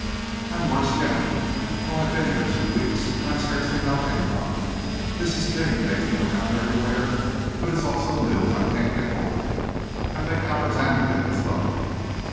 "I'm worse yet. I've only been here two weeks and I scarcely know anybody. Mrs. King takes me around everywhere, but it's all so new I can't get hold of it. I think Alexandria is lovely."